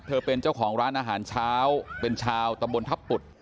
เป็นเจ้าของร้านอาหารเช้าเป็นชาวตำบลทัพปุด